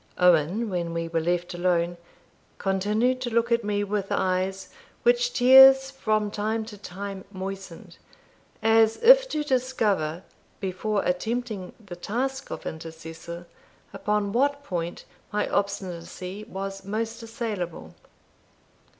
Owen, when we were left alone, continued to look at me with eyes which tears from time to time moistened, as if to discover, before attempting the task of intercessor, upon what point my obstinacy was most assailable.